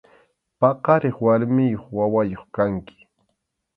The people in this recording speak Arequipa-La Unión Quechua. Paqariq warmiyuq wawayuq kanki.